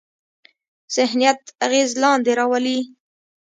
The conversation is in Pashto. ذهنیت اغېز لاندې راولي.